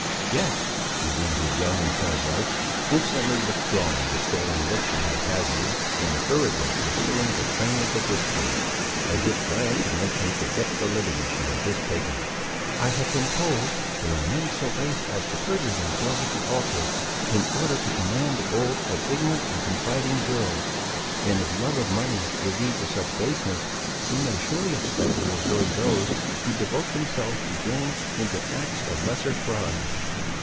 "Yes," resumed his young and timid wife, instantly withdrawing the stolen look she had hazarded, and hurriedly pursuing the train of the discourse, as if glad to make him forget the liberty she had just taken, "I have been told, there are men so base as to perjure themselves at the altar, in order to command the gold of ignorant and confiding girls; and if love of money will lead to such baseness, we may surely expect it will hurry those, who devote themselves to gain, into acts of lesser fraud."